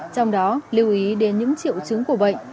trong đó lưu ý đến những triệu chứng của bệnh